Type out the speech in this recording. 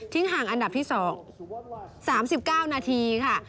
ห่างอันดับที่๒๓๙นาทีค่ะ